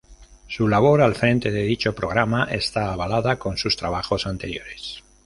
Su labor al frente de dicho programa está avalada con sus trabajos anteriores.